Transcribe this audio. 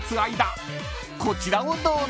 ［こちらをどうぞ］